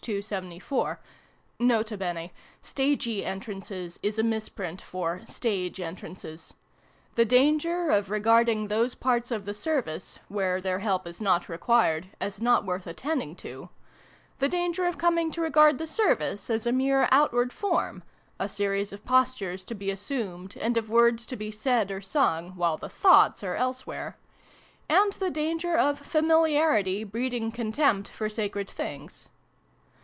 274 (N.B. " stagy entrances " is a misprint for " stage entrances "), the danger of regarding those parts of the Service, where their help is not required, as not worth attending to, the danger of coming to regard the Service as a mere outward form a series of postures to be assumed, and of words to be said or sung, while the thoughts are elsewhere and the danger of ' familiarity ' breeding ' contempt ' for sacred things.